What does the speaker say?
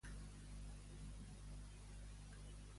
Mostrar què es pot fer al cinema d'Alcover.